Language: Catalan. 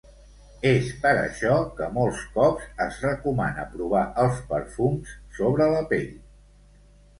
És per això que molts cops es recomana provar els perfums sobre la pell